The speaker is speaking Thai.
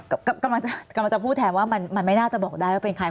กำลังจะกำลังจะพูดแทนว่ามันไม่น่าจะบอกได้ว่าเป็นใคร